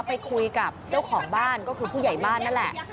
ไปคุยกับเจ้าของบ้านก็คือผู้ใหญ่บ้านนั่นแหละ